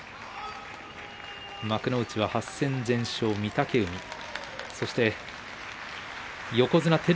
幕内は８戦全勝、御嶽海。